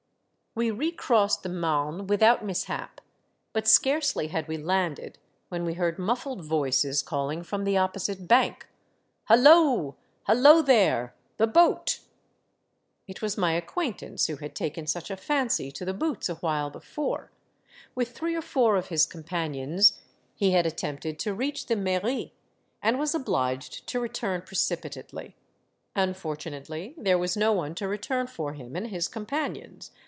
We recrossed the Marne without mishap. But scarcely had we landed when we heard muffled voices calling from the opposite bank, —'' Holloa, holloa there ! the boat !" It was my acquaintance who had taken such a fancy to the boots a while before ; with three or four of his companions, he had attempted to reach the mairie, and was obliged to return precipitately. Unfortunately, there was no one to return for him and his companions.